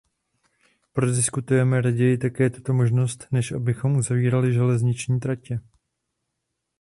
Prodiskutujme raději také tuto možnost, než abychom uzavírali železniční tratě.